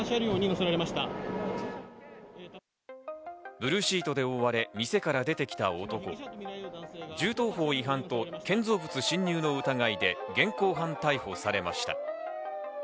ブルーシートで覆われ、店から出てきた男、銃刀法違反と建造物侵入の疑いで現行犯逮捕されました。